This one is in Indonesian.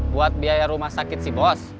buat biaya rumah sakit si bos